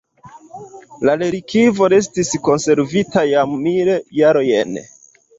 La relikvo restis konservita jam mil jarojn.